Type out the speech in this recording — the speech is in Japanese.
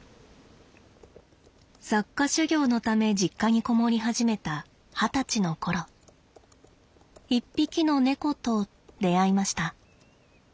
作家修業のため実家にこもり始めた二十歳の頃一匹の猫と出会いました。